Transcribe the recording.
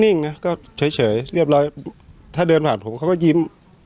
่งนะก็เฉยเรียบร้อยถ้าเดินผ่านผมเขาก็ยิ้ม